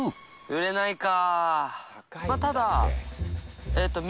売れないか。